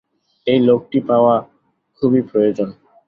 এই লোকটিকে পাওয়া খুবই প্রয়োজন।